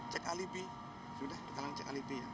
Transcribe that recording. cek alibi sudah kita cek alibi ya